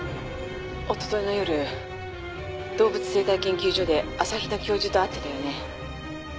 おとといの夜動物生態研究所で朝比奈教授と会ってたよね？